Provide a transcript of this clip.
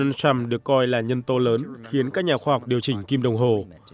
đồng hồ tận thế của tổng thống mỹ donald trump được coi là nhân tố lớn khiến các nhà khoa học điều chỉnh kim đồng hồ